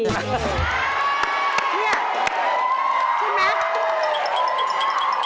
นี่